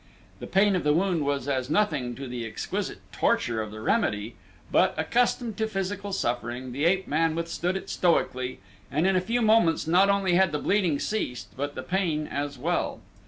The pain of the wound was as nothing to the exquisite torture of the remedy but, accustomed to physical suffering, the ape man withstood it stoically and in a few moments not only had the bleeding ceased but the pain as well.